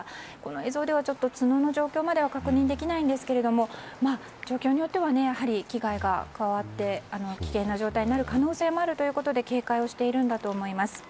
映像では角の状況までは確認できませんが状況によっては、危害が加わって危険な状態になる可能性もあるということで警戒をしているんだと思います。